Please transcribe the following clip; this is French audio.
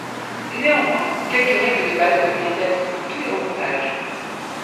Néanmoins, quelques règles de base ont été établies pour tous les remontages.